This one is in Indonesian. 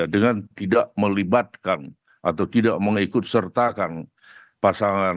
dengan tidak melibatkan atau tidak mengikut sertakan pasangan